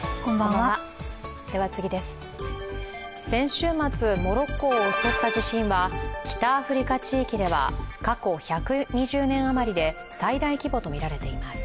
先週末、モロッコを襲った地震は北アフリカ地域では過去１２０年余りで最大規模とみられています。